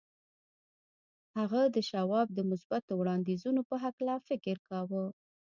هغه د شواب د مثبتو وړاندیزونو په هکله فکر کاوه